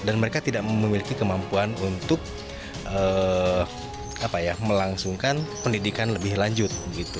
dan mereka tidak memiliki kemampuan untuk melangsungkan pendidikan lebih lanjut